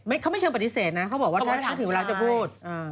เขาไม่เชิงปฏิเสธนะเขาบอกว่าเขาถึงเวลาจะพูด